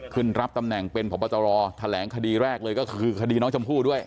รับตำแหน่งเป็นพบตรแถลงคดีแรกเลยก็คือคดีน้องชมพู่ด้วย